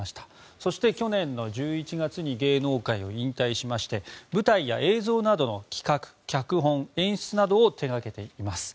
そして去年１１月に芸能界を引退しまして舞台や映像などの企画、脚本、演出などを手がけています。